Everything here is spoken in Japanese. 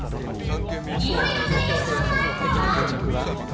いろいろな予想があったわ。